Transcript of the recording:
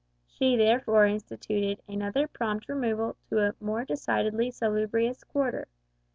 She therefore instituted another prompt removal to a more decidedly salubrious quarter.